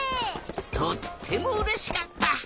とってもうれしかった！